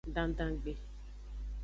Dandangbe.